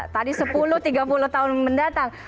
tadi sepuluh tiga puluh tahun mendatang